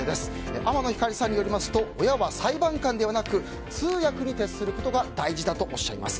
天野ひかりさんによりますと親は裁判官ではなく通訳に徹することが大事だとおっしゃいます。